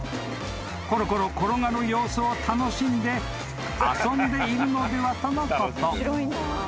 ［「ころころ転がる様子を楽しんで遊んでいるのでは？」とのこと］